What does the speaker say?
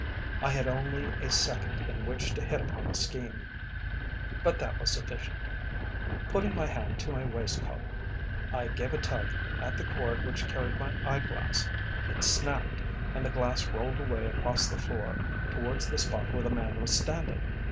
I had only a second in which to hit upon a scheme, but that was sufficient. Putting my hand to my waistcoat, I gave a tug at the cord which carried my eye glass. It snapped and the glass rolled away across the floor towards the spot where the man was standing.